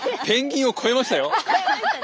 ペンギンを超えましたよ。